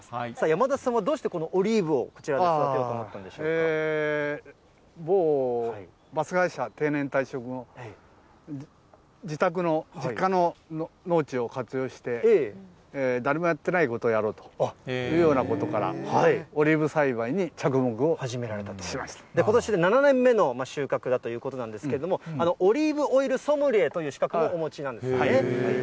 山田さんはどうしてこの、オリーブをこちらで育てようと思ったん某バス会社を定年退職後、自宅の、実家の農地を活用して、誰もやってないことをやろうというようなことから、オリーブ栽培始められたということで、ことしで７年目の収穫だということなんですけれども、オリーブオイルソムリエという資格もお持ちなんですよね。